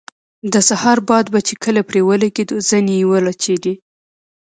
د سهار باد به چې کله پرې ولګېده زنې یې وړچېدې.